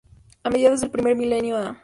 A mediados del primer milenio a.